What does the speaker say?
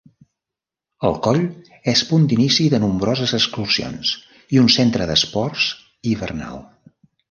El coll és punt d'inici de nombroses excursions i un centre d'esports hivernal.